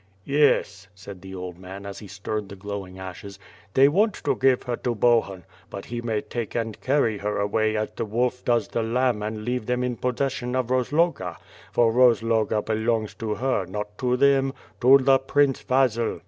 "Yes," said the old man, as he stirred the glowing ashes, "they want to gfsve her to Bohun, but he may take and carry her away as the wolf does the lamb and leave them in pos session of Roz'oga — for Rozloga belongs to her, not to them — to the Prince Vasil.